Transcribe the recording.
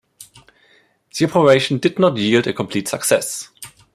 The operation did not yield a complete success.